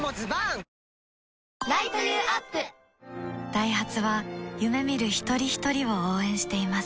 ダイハツは夢見る一人ひとりを応援しています